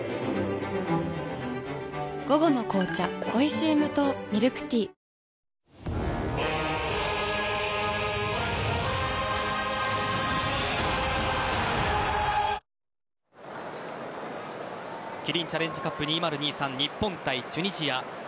午後の紅茶おいしい無糖ミルクティーキリンチャレンジカップ２０２３、日本対チュニジア。